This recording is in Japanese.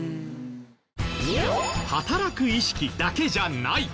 働く意識だけじゃない。